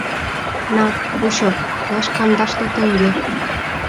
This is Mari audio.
На, кучо, лач кандашлу теҥге.